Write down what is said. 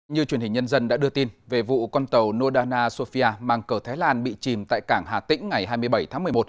như truyền hình nhân dân đã đưa tin về vụ con tàu nodana sofia mang cờ thái lan bị chìm tại cảng hà tĩnh ngày hai mươi bảy tháng một mươi một